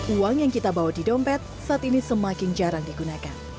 uang yang kita bawa di dompet saat ini semakin jarang digunakan